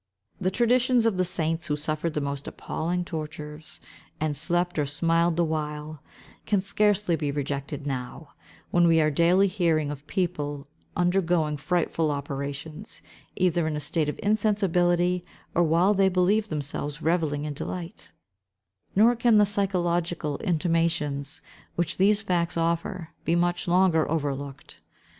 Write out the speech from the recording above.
The traditions of the saints who suffered the most appalling tortures, and slept or smiled the while, can scarcely be rejected now, when we are daily hearing of people undergoing frightful operations, either in a state of insensibility, or while they believe themselves revelling in delight; nor can the psychological intimations which these facts offer, be much longer overlooked.